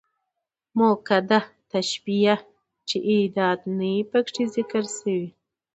مؤکده تشبيه، چي ادات نه يي پکښي ذکر سوي.